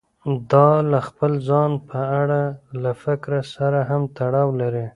دا له خپل ځان په اړه له فکر سره هم تړاو لري.